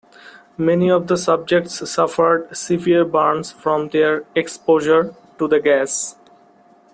Many of the subjects suffered severe burns from their exposure to the gas.